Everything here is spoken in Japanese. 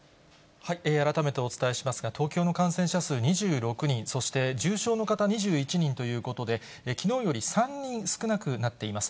改めてお伝えしますが、東京の感染者数２６人、そして重症の方２１人ということで、きのうより３人少なくなっています。